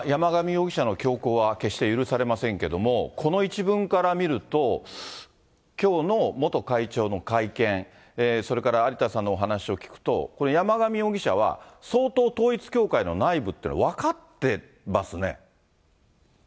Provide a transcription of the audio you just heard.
山上容疑者の凶行は決して許されませんけれども、この一文から見ると、きょうの元会長の会見、それから有田さんのお話を聞くと、この山上容疑者は、相当統一教会の内部ってのは分かってますね。